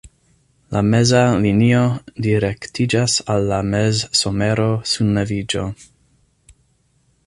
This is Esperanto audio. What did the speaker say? La meza linio direktiĝas al la mezsomero-sunleviĝo.